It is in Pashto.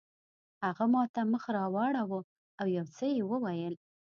هغه ماته مخ راواړاوه او یو څه یې وویل.